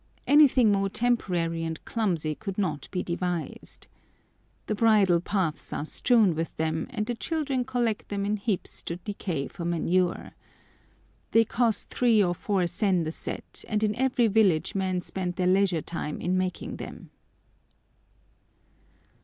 Anything more temporary and clumsy could not be devised. The bridle paths are strewn with them, and the children collect them in heaps to decay for manure. They cost 3 or 4 sen the set, and in every village men spend their leisure time in making them.